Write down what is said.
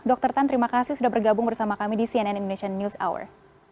dr tan terima kasih sudah bergabung bersama kami di cnn indonesian news hour